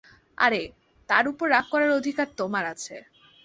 আরে, তার উপর রাগ করার অধিকার তোমার আছে।